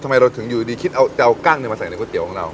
ทำไมเราถึงอยู่ดีคิดเอากั้งมาใส่ในก๋วเตี๋ยของเรา